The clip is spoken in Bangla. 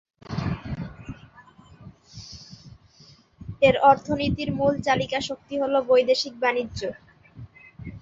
এর অর্থনীতির মূল চালিকা শক্তি হলো বৈদেশিক বাণিজ্য।